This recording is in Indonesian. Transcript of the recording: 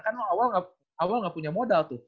kan lo awal gak punya modal tuh